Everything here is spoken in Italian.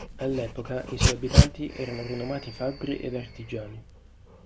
All'epoca i suoi abitanti erano rinomati fabbri ed artigiani.